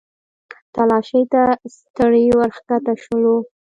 تلاشۍ ته ستړي ورښکته شولو.